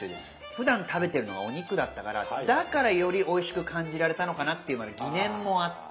ふだん食べてるのがお肉だったからだからよりおいしく感じられたのかなっていうまだ疑念もあって。